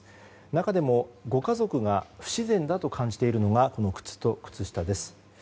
中でも、ご家族が不自然だと感じているのがこの靴と靴下です。